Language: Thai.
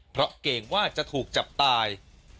เพราะเกรงว่าจะถูกจับตาย